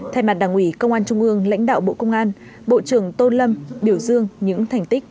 thay mặt đảng ủy công an trung ương lãnh đạo bộ công an bộ trưởng tô lâm biểu dương những thành tích